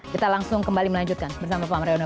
kita langsung kembali melanjutkan bersama pak mariono